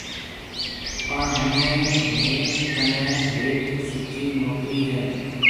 پڻ همي ميه ڪني هيَڪ سُٺِي نوڪرِي هيَ۔